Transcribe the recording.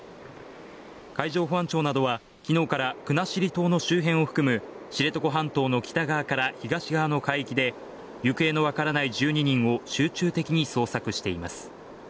海上保安庁などはきのうから国後島の周辺を含む知床半島の北側から東側の海域で行方のわからない１２人を集中的に捜索しています